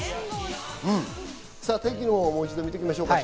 天気をもう一度見ていきましょう。